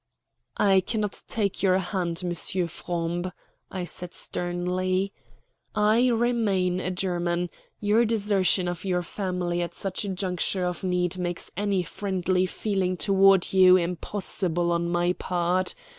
"I cannot take your hand, M. Frombe," I said sternly. "I remain a German. Your desertion of your family at such a juncture of need makes any friendly feeling toward you impossible on my part.